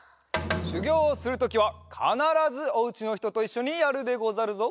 しゅぎょうをするときはかならずおうちのひとといっしょにやるでござるぞ。